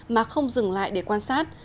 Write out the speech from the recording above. mà không dừng lại để quan sát